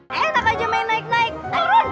eheh tak aja main naik naik turun